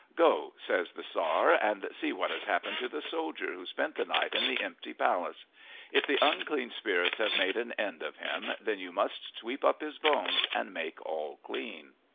"Go," says the Tzar, "and see what has happened to the soldier who spent the night in the empty palace. If the unclean spirits have made an end of him, then you must sweep up his bones and make all clean."